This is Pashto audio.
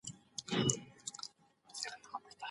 آیا په نوي سیستم کي فزیکي سزا په بشپړه توګه منع ده؟